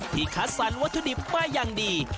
คัดสรรวัตถุดิบมาอย่างดี